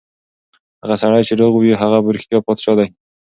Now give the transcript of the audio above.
هغه سړی چې روغ وي، هغه په رښتیا پادشاه دی.